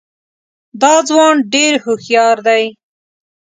دا ځوان ډېر هوښیار دی.